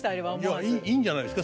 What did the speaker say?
いやいいんじゃないですか。